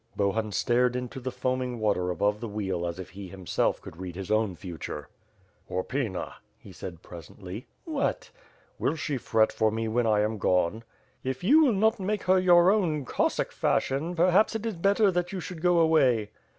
Bohun stared into the foaming water above the wheel as if he himself could read his own future. "Horpyna," he said presently. "What?" "Will she fret for me when I am gone?" "If you will not make her your own Ccssack fashion per haps it is better that you should go away."